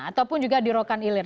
ataupun juga di rokan ilir